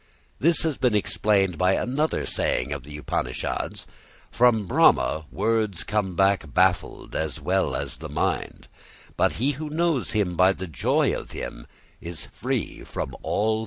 This has been explained in another saying of the Upanishads: _From Brahma words come back baffled, as well as the mind, but he who knows him by the joy of him is free from all fears.